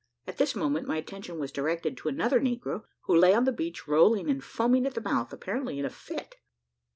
At this moment my attention was directed to another negro, who lay on the beach, rolling and foaming at the mouth, apparently in a fit.